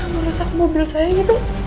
merusak mobil saya gitu